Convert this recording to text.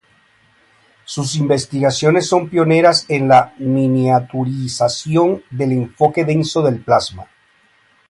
Sus investigaciones son pioneras en la miniaturización del enfoque denso del plasma.